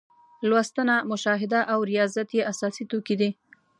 لوستنه، مشاهده او ریاضت یې اساسي توکي دي.